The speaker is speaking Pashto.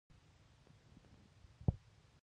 افغان نومېدی.